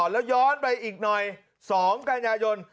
แล้วย้อนไปอีกหน่อย๒กันยายน